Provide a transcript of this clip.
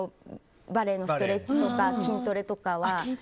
バレエのストレッチや筋トレとか。